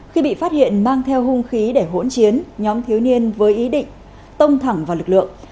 khi bị phát hiện mang theo hung khí để hỗn chiến nhóm thiếu niên với ý định tông thẳng vào lực lượng